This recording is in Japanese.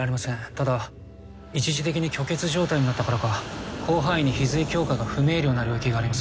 ただ一時的に虚血状態になったからか広範囲に皮髄境界が不明瞭な領域があります。